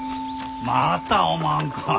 またおまんか。